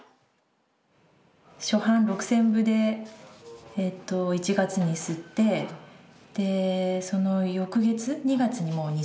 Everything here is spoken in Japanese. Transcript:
初版６，０００部でえと１月に刷ってでその翌月２月にもう２，０００部。